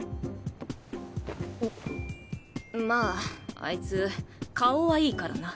まああいつ顔はいいからな。